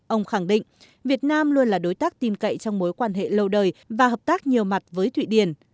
ông khẳng định việt nam luôn là đối tác tin cậy trong mối quan hệ lâu đời và hợp tác nhiều mặt với thụy điển